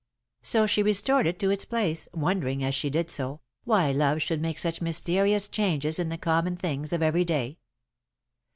So she restored it to its place, wondering, as she did so, why love should make such mysterious changes in the common things of every day.